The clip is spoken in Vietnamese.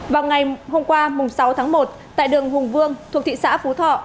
vào ngày hôm qua sáu tháng một tại đường hùng vương thuộc thị xã phú thọ